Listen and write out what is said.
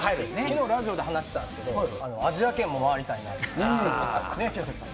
昨日、ラジオで話してたんですけど、アジア圏も回りたい。